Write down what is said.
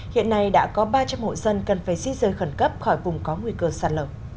hiện nay đã có ba trăm linh hội dân cần phải di rời khẩn cấp khỏi vùng có nguy cơ sản lợi